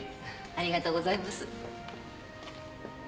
ありがとうございます。